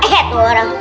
eh tuh orang